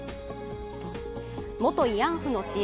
元慰安婦の支援